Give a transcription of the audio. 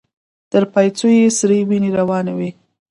تر پايڅو يې سرې وينې روانې وې.